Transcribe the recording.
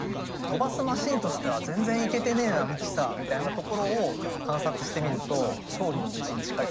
飛ばすマシンとしては全然いけてねえなミキサーみたいなところを観察してみると勝利の道に近いかもしれない。